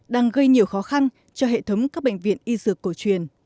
đang gây nhiều khó khăn cho hệ thống các bệnh viện y dược cổ truyền